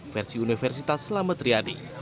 versi universitas selamat riyadi